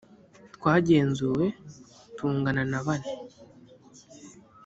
twagenzuwe tungana nabane